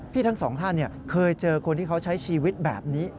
ทั้งสองท่านเคยเจอคนที่เขาใช้ชีวิตแบบนี้